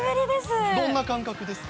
どんな感覚ですか？